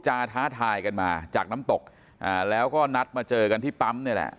ท้าทายกันมาจากน้ำตกอ่าแล้วก็นัดมาเจอกันที่ปั๊มนี่แหละ